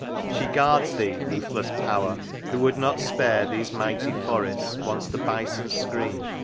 She guards thee, ruthless Power ! who would not spare Those mighty forests, once the bison's screen.